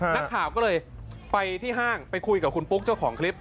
นักข่าวก็เลยไปที่ห้างไปคุยกับคุณปุ๊กเจ้าของคลิป